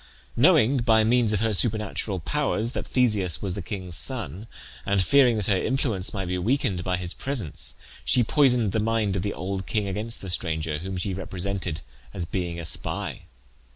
Knowing, by means of her supernatural powers, that Theseus was the king's son, and fearing that her influence might be weakened by his presence, she poisoned the mind of the old king against the stranger, whom she represented as being a spy.